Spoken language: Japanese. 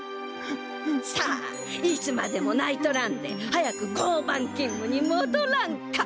さあいつまでもないとらんで早く交番きんむにもどらんか。